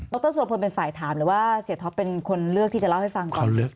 รสุรพลเป็นฝ่ายถามหรือว่าเสียท็อปเป็นคนเลือกที่จะเล่าให้ฟังก่อน